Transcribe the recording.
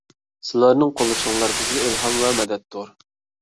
سىلەرنىڭ قوللىشىڭلار بىزگە ئىلھام ۋە مەدەتتۇر.